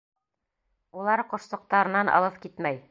Улар ҡошсоҡтарынан алыҫ китмәй.